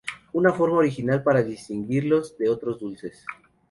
Una forma original para distinguirlos de otros dulces.